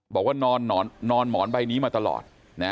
บอกว่านอนหมอนใบนี้มาตลอด